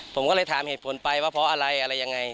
ผมก็เลยถามเหตุผลไปว่าเพราะอะไรอะไรยังไง